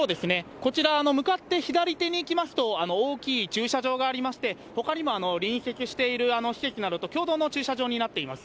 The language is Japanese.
こちら、向かって左手に行きますと、大きい駐車場がありまして、ほかにも隣接している施設などと共同の駐車場となっています。